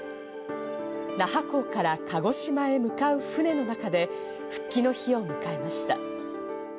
那覇港から鹿児島へ向かう船の中で復帰の日を迎えました。